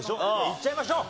いっちゃいましょう。